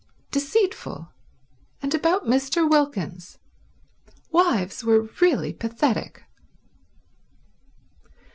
Deceitful! And about Mr. Wilkins. Wives were really pathetic.